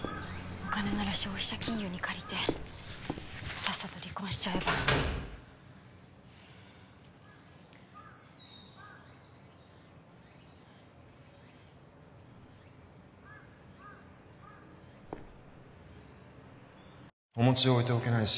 お金なら消費者金融に借りてさっさと離婚しちゃえばおもち置いておけないし